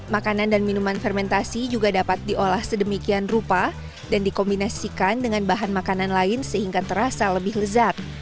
makanan dan minuman fermentasi juga dapat diolah sedemikian rupa dan dikombinasikan dengan bahan makanan lain sehingga terasa lebih lezat